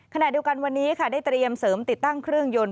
ขณะเดียวกันวันนี้ค่ะได้เตรียมเสริมติดตั้งเครื่องยนต์